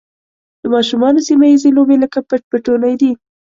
د ماشومانو سیمه ییزې لوبې لکه پټ پټونی دي.